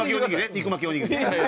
肉巻きおにぎり。